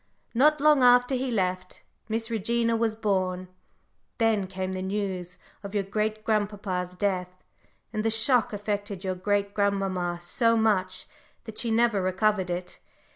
Not long after he left, Miss Regina was born; then came the news of your great grandpapa's death, and the shock affected your great grandmamma so much that she never recovered it.